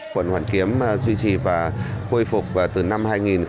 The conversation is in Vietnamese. quận hoàn kiếm duy trì và khôi phục từ năm hai nghìn một mươi sáu